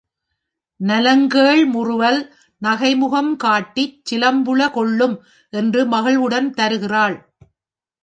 நலங்கேழ்முறுவல் நகைமுகம் காட்டிச் சிலம்புள கொள்ளும் என்று மகிழ்வுடன் தருகிறாள்.